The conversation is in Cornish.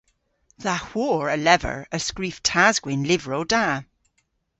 Dha hwor a lever y skrif tas-gwynn lyvrow da.